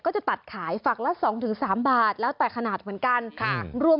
จะตัดขายฝักละ๒๓บาทแล้วแต่ขนาดเหมือนกัน